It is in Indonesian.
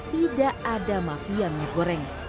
tidak ada mafia minyak goreng